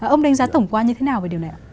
ông đánh giá tổng quá như thế nào về điều này ạ